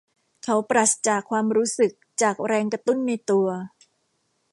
เขาปราศจากความรู้สึกจากแรงกระตุ้นในตัว